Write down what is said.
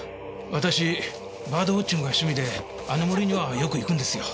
私バードウオッチングが趣味であの森にはよく行くんですよ。